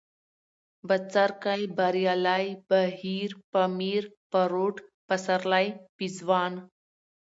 بڅرکى ، بريالی ، بهير ، پامير ، پروټ ، پسرلی ، پېزوان